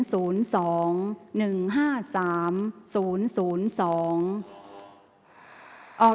ข่าวแถวรับทีวีรายงาน